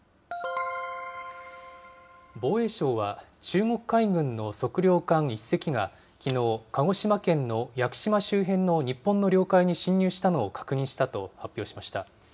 防衛省は中国海軍の測量艦１隻がきのう、鹿児島県の屋久島周辺の日本の領海に侵入したのを確認したと発表